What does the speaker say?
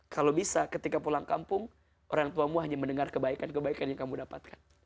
kalau bisa ketika pulang kampung orang tuamu hanya mendengar kebaikan kebaikan yang kamu dapatkan